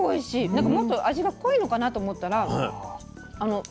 なんかもっと味が濃いのかなと思ったらいいお味。